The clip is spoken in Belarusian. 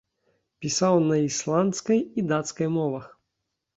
Пісаў на ісландскай і дацкай мовах.